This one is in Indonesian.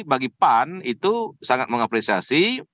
kelepahan itu sangat mengapresiasi